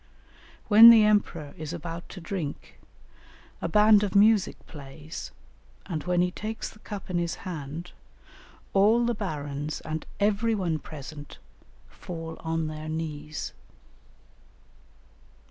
When the emperor is about to drink, a band of music plays, and when he takes the cup in his hand, all the barons and every one present, fall on their knees.